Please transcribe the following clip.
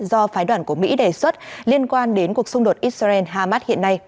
do phái đoàn của mỹ đề xuất liên quan đến cuộc xung đột israel hamas hiện nay